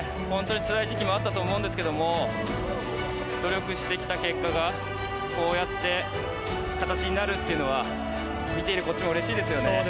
本当につらい時期もあったと思うんですけども努力してきた結果がこうやって形になるというのは見ているこっちもうれしいですよね。